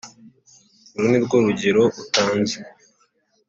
Iru nirwo rugero utanze